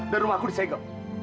dan rumah aku disegel